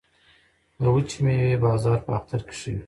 د وچې میوې بازار په اختر کې ښه وي